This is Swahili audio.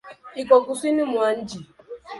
Iko kusini mwa nchi.